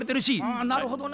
あなるほどな。